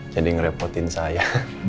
jadi ngerepotin saya